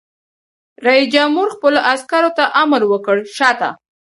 رئیس جمهور خپلو عسکرو ته امر وکړ؛ شاته!